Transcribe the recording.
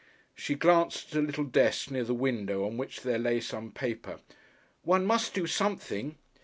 She glanced at a little desk near the window, on which there lay some paper. "One must do something."